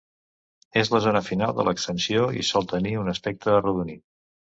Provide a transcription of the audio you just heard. És la zona final de l'extensió i sol tenir un aspecte arrodonit.